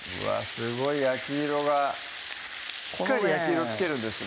すごい焼き色がしっかり焼き色つけるんですね